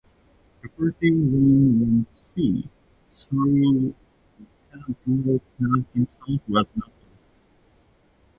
The party won one seat, though Butadroka himself was not elected.